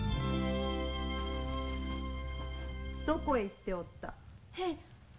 どこへ行っておった？